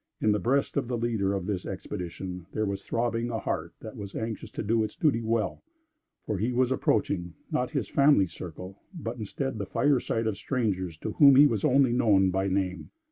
In the breast of the leader of this expedition, there was throbbing a heart that was anxious to do its duty well, for he was approaching, not his family circle, but instead, the fireside of strangers to whom he was only known by name.